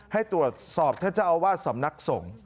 ให้ตรวจสอบท่านเจ้าอาวาสสำนักสงฆ์